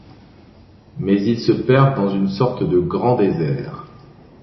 Mais ils se perdent dans une sorte de grand désert.